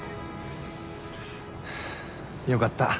よかった。